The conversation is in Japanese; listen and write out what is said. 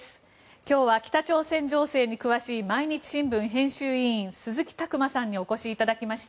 今日は北朝鮮情勢に詳しい毎日新聞編集委員鈴木琢磨さんにお越しいただきました。